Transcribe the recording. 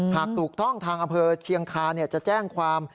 หากถูกต้องทางอำเภอเชียงคาจะแจ้งความ